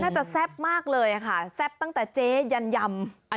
แซ่บมากเลยค่ะแซ่บตั้งแต่เจ๊ยันยำ